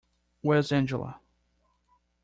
Where's Angela?